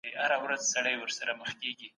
په ټاکنو کي باید د خلګو رایې غلا نه سي.